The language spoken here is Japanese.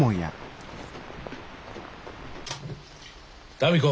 民子。